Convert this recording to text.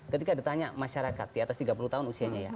ketika ditanya masyarakat di atas tiga puluh tahun usianya ya